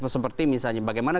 seperti misalnya bagaimana